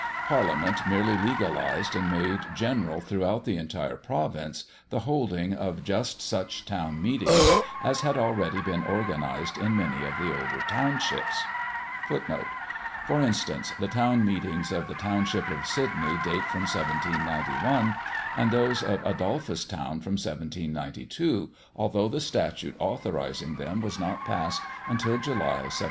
Parliament merely legalized and made general throughout the entire province the holding of just such town meetings as had already been organized in many of the older townships.[#] [#] For instance, the town meetings of the township of Sidney date from 1791, and those of Adolphustown from 1792, although the statute authorizing them was not passed until July, 1793.